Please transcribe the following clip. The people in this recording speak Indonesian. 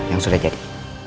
yang sudah jadi